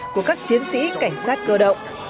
của các chiến sĩ cảnh sát cơ động